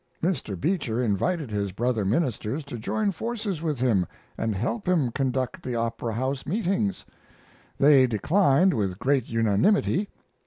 Mr. Beecher invited his brother ministers to join forces with him and help him conduct the Opera House meetings. They declined with great unanimity.